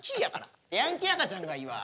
ヤンキー赤ちゃんがいいわ。